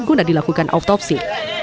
guna dilakukan autopsi